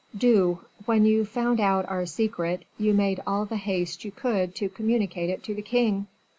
"Do. When you found out our secret, you made all the haste you could to communicate it to the king."